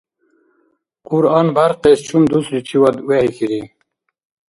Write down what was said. Кьуръан бяркъес чум дусличивад вехӏихьири?